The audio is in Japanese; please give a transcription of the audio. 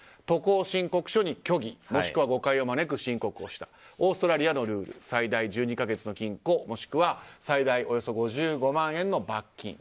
渡航申告書に虚偽もしくは誤解を招く申告をしたオーストラリアのルールは最大１２か月の禁錮もしくは最大およそ５５万円の罰金